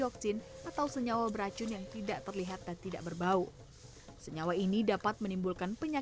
oke saya ngungernya tidak bisa memiliki triple of bbg lagi ya